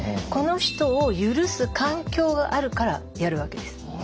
この人を許す環境があるからやるわけです。